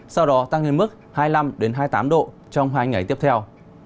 sau đó tăng lên mức hai mươi năm hai mươi tám độ trong hai ngày tiếp theo